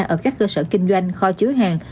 ở các cơ sở kinh doanh kho chứa hàng